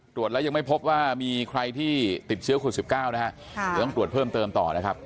แล้วยังไม่พบว่ามีใครที่ติดเชื้อคน๑๙นะฮะเดี๋ยวต้องตรวจเพิ่มเติมต่อนะครับ